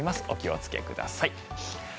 お気をつけください。